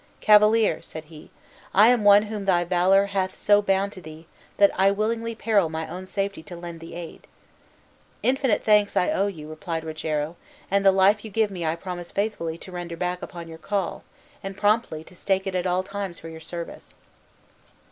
"Cavalier," said he, "I am one whom thy valor hath so bound to thee, that I willingly peril my own safety to lend thee aid." "Infinite thanks I owe you," replied Rogero, "and the life you give me I promise faithfully to render back upon your call, and promptly to stake it at all times for your service."